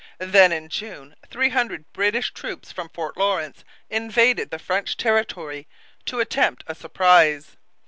Then in June three hundred British troops from Fort Lawrence invaded the French territory to attempt a surprise.